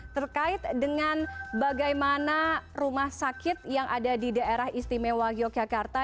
terkait dengan bagaimana rumah sakit yang ada di daerah istimewa yogyakarta